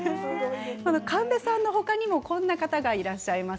神戸さんの他にもこんな方がいらっしゃいます。